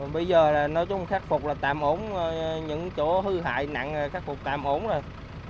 bây giờ nói chung khắc phục là tạm ổn những chỗ hư hại nặng khắc phục tạm ổn rồi